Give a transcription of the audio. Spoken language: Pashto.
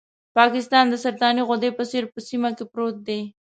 پاکستان د سرطاني غدې په څېر په سیمه کې پروت دی.